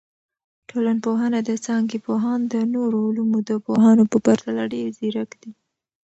ټولنپوهنه د څانګي پوهان د نورو علومو د پوهانو په پرتله ډیر ځیرک دي.